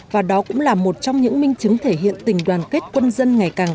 và đó cũng là một trong những minh chứng thể hiện tình đoàn kết quân dân ngày càng